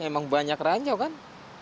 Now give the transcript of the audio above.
emang banyak ranjau kan